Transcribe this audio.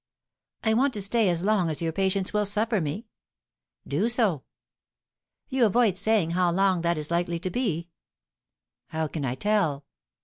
"I want to stay as long as your patience will suffer me." "Do so." "You avoid saying how long that is likely to be." "How can I tell?"